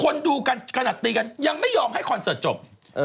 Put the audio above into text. ดูกันขนาดตีกันยังไม่ยอมให้คอนเสิร์ตจบ